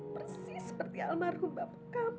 persis seperti almarhum bapak